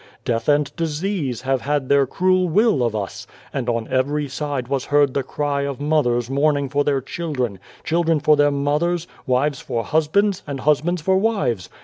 Death and disease have had their cruel will of us, and on every side was heard the cry of mothers mourning for their children, children for their mothers, wives for husbands, and husbands for wives.